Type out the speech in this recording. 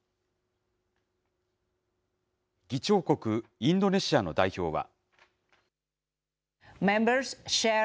議長国、インドネシアの代表は。